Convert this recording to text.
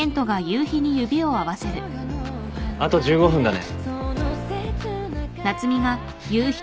あと１５分だね。